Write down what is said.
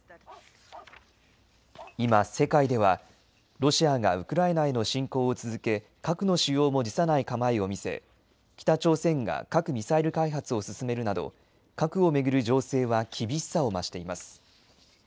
今、世界では、ロシアがウクライナへの侵攻を続け核の使用も辞さない構えを見せ北朝鮮が核・ミサイル開発を進めるなど核を巡る情勢は厳しさを増しています。